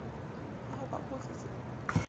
好好保护自己